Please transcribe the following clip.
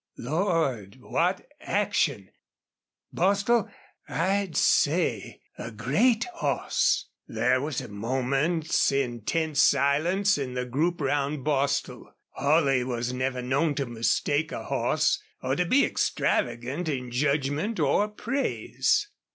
Lord! what action! ... Bostil, I'd say a great hoss!" There was a moment's intense silence in the group round Bostil. Holley was never known to mistake a horse or to be extravagant in judgment or praise.